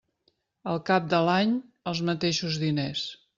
Al cap de l'any, els mateixos diners.